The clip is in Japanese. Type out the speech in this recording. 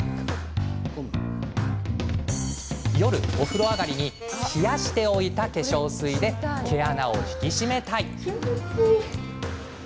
夜、お風呂上がりには冷やしておいた化粧水で毛穴を引き締めたい。